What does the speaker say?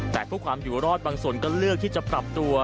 แต่เพื่อความอยู่รอดบางส่วนก็เลือกที่จะปรับตัว